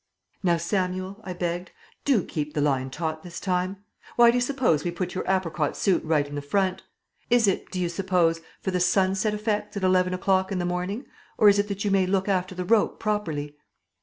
"Now, Samuel," I begged, "do keep the line taut this time. Why do you suppose we put your apricot suit right in the front? Is it, do you suppose, for the sunset effects at eleven o'clock in the morning, or is it that you may look after the rope properly?"